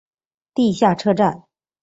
地下车站。